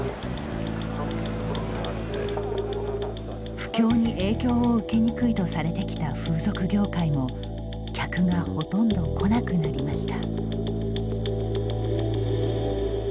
不況に影響を受けにくいとされてきた風俗業界も客がほとんど来なくなりました。